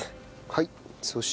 はい。